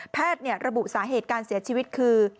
ระบุสาเหตุการเสียชีวิตคือ